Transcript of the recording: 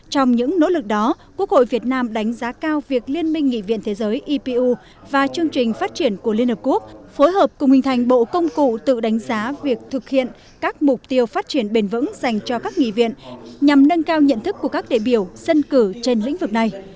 trong những nỗ lực đó quốc hội việt nam đánh giá cao việc liên minh nghị viện thế giới epu và chương trình phát triển của liên hợp quốc phối hợp cùng hình thành bộ công cụ tự đánh giá việc thực hiện các mục tiêu phát triển bền vững dành cho các nghị viện nhằm nâng cao nhận thức của các đại biểu dân cử trên lĩnh vực này